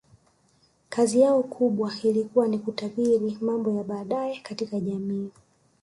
Kazi yao kubwa ilikuwa ni kutabiri mambo ya baadaye katika jamii